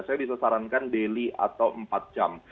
saya disarankan daily atau empat jam